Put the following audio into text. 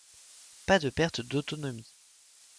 Pas de perte d'autonomie.